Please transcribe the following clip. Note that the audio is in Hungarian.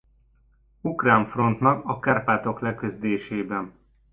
Ukrán Frontnak a Kárpátok leküzdésében.